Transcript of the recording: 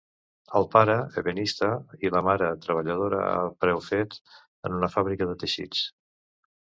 El pare, ebenista i la mare, treballadora a preu fet en una fàbrica de teixits.